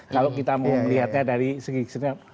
kalau kita mau melihatnya dari segi kesenian